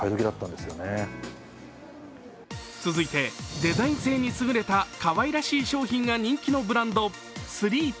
続いて、デザイン性に優れたかわいらしい商品が人気のブランド、ＴＨＲＥＥＰＹ。